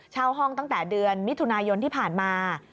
เช่าห้องตั้งแต่เดือนมิถุนายนที่ผ่านมา